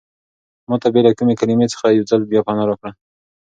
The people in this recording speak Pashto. ما ته بې له کومې کلمې څخه یو ځل پناه راکړه.